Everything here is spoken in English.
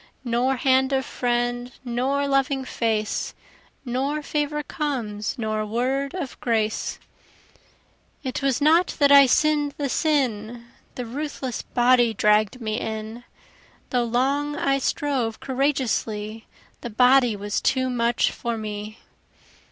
Nor hand of friend, nor loving face, Nor favor comes, nor word of grace. It was not I that sinn'd the sin, The ruthless body dragg'd me in; Though long I strove courageously, The body was too much for me.